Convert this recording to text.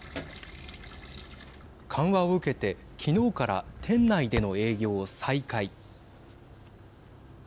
緩和を受けて昨日から店内での営業を再開。